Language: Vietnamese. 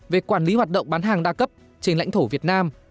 về quản lý hoạt động bán hàng đa cấp trên lãnh thổ việt nam